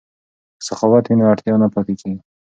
که سخاوت وي نو اړتیا نه پاتیږي.